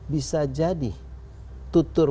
bisa jadi tutur